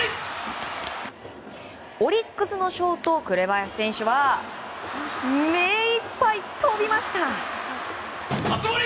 オリックスのショート紅林選手は目いっぱい跳びました！